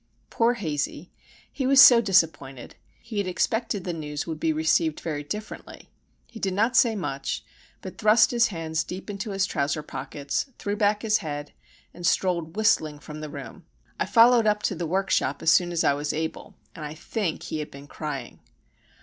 Poor Hazey! he was so disappointed. He had expected the news would be received very differently. He did not say much, but thrust his hands deep into his trouser pockets, threw back his head, and strolled whistling from the room. I followed up to the workshop as soon as I was able, and I think he had been crying.